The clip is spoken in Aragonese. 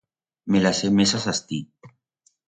Me las he mesas astí.